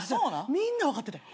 みんな分かってたよ。